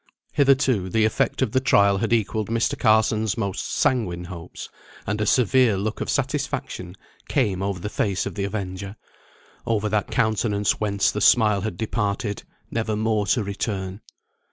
Hitherto the effect of the trial had equalled Mr. Carson's most sanguine hopes, and a severe look of satisfaction came over the face of the avenger, over that countenance whence the smile had departed, never more to return.